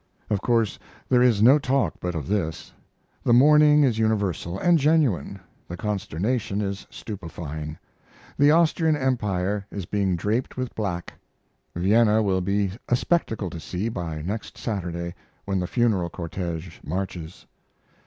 Of course there is no talk but of this. The mourning is universal and genuine, the consternation is stupefying. The Austrian Empire is being draped with black. Vienna will be a spectacle to see by next Saturday, when the funeral cortege marches.